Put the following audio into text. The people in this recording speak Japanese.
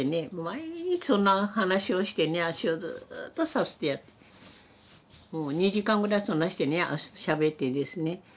毎日そんな話をしてね足をずっとさすってやってもう２時間ぐらいそんなんしてねしゃべってですね